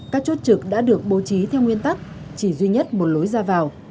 các chốt trực đã được bố trí theo nguyên tắc chỉ duy nhất một lối ra vào